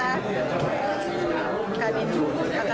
dan juga di jakarta